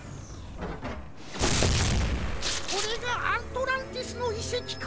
これがアントランティスのいせきか。